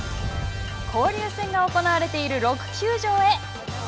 交流戦が行われている６球場へ。